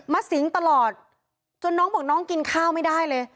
สิงตลอดจนน้องบอกน้องกินข้าวไม่ได้เลย